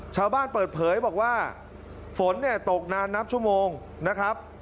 ชาวบ้านเปิดเผยบอกว่าฝนเนี่ยตกนานนับชั่วโมงนะครับ